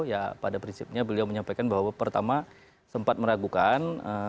ya pada prinsipnya beliau menyampaikan bahwa pertama sempat meragukan